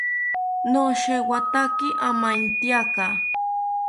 Noshewataka amaetyaka